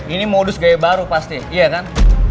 ini modus gaya baru pasti iya kan